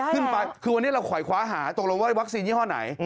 ขึ้นไปคือวันนี้เราคอยคว้าหาตกลงว่าวัคซีนยี่ห้อไหน